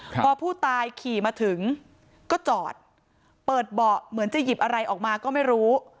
พอผู้ตายขี่มาถึงก็จอดเปิดเบาะเหมือนจะหยิบอะไรออกมาก็ไม่รู้